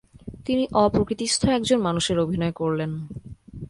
তিনি অপ্রকৃতিস্থ একজন মানুষের অভিনয় করলেন।